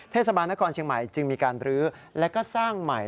เทศบาลนครเชียงใหม่จึงมีการรื้อและก็สร้างใหม่